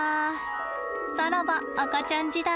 さらば赤ちゃん時代。